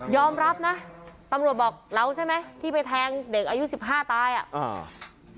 รับนะตำรวจบอกเราใช่ไหมที่ไปแทงเด็กอายุสิบห้าตายอ่ะอ่า